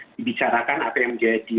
dibicarakan apa yang menjadi